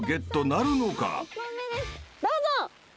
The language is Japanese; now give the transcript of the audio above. どうぞ。